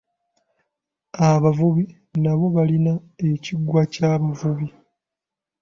Abavubi nabo balina ekiggwa eky'abavubi.